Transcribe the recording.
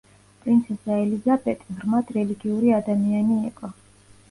პრინცესა ელიზაბეტი ღრმად რელიგიური ადამიანი იყო.